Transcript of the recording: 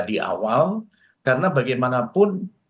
di awal karena bagaimanapun